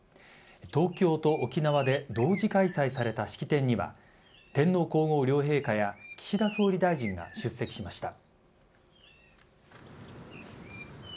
東京と沖縄で同時開催された式典には天皇皇后両陛下や岸田総理大臣が出席しました。